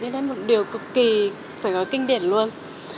đây là một điều cực kỳ phải có kinh điển luôn